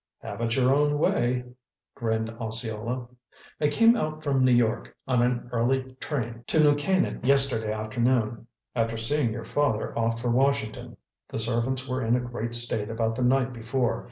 "Have it your own way," grinned Osceola. "I came out from New York on an early train to New Canaan yesterday afternoon, after seeing your father off for Washington. The servants were in a great state about the night before.